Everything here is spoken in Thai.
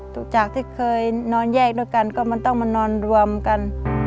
จากที่เคยนอนแยกด้วยกันก็มันต้องมานอนรวมกัน